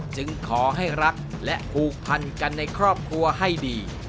จึงขอให้รักและผูกพันกันในครอบครัวให้ดี